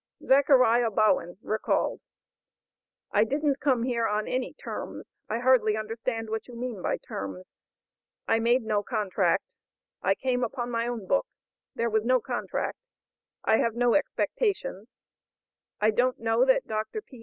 Zachariah Bowen recalled. "I didn't come here on any terms; I hardly understand what you mean by terms; I made no contract; I came upon my own book; there was no contract; I have no expectations; I don't know that Dr. P.